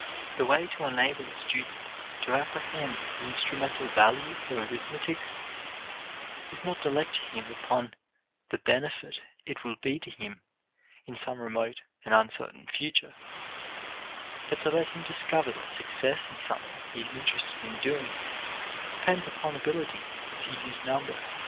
The way to enable a student to apprehend the instrumental value of arithmetic is not to lecture him upon the benefit it will be to him in some remote and uncertain future, but to let him discover that success in something he is interested in doing depends upon ability to use number.